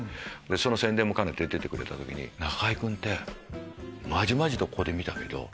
その宣伝も兼ねて出てくれた時に中居君ってまじまじとここで見たけど。